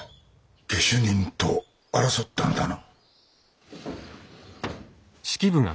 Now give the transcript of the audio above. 下手人と争ったのだな。